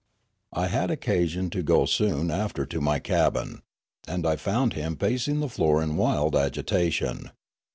I had occasion to go soon after to my cabin, and I found him pacing the floor in wild agitation.